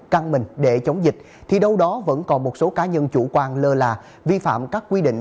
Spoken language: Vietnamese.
căng mình để chống dịch thì đâu đó vẫn còn một số cá nhân chủ quan lơ là vi phạm các quy định